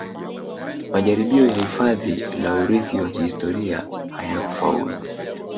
Majaribio ya hifadhi la urithi wa kihistoria hayakufaulu